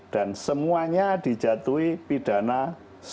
dan semuanya dijatuhi pidana korupsi